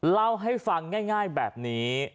เล่าให้ฟังง่ายแบบนี้